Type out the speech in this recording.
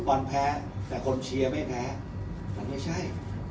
บอลแพ้แต่คนเชียร์ไม่แพ้มันไม่ใช่